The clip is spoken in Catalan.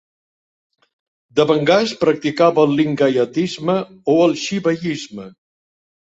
Devangas practicava el Lingaiatisme o el Xivaisme.